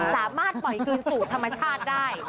สามารถปล่อยคืนสู่ธรรมชาติได้